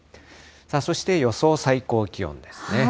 そして予想最高気温ですね。